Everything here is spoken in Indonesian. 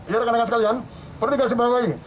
ya rekan rekan sekalian perlu dikasih berawai